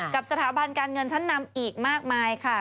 กับสถาบันการเงินชั้นนำอีกมากมายค่ะ